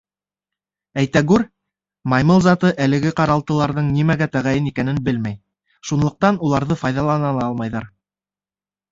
Әйтәгүр, маймыл заты әлеге ҡаралтыларҙың нимәгә тәғәйен икәнен белмәй, шунлыҡтан уларҙы файҙалана ла алмайҙар.